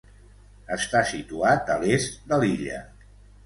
Està situat a l'est de l'illa.